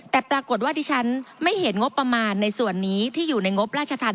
แต่ปรากฏว่าดิฉันไม่เห็นงบประมาณในส่วนนี้ที่อยู่ในงบราชธรรม